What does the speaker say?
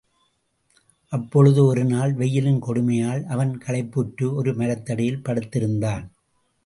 அப்பொழுது ஒரு நாள், வெயிலின் கொடுமையால் அவன் களைப்புற்று, ஒரு மரத்தடியில் படுத்திருந்தான்.